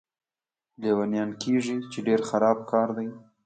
لیونیان کېږي، چې ډېر خراب کار دی.